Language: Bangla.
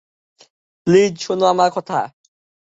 প্লিজ শোনো আমার কথা।